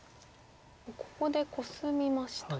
ここでコスみました。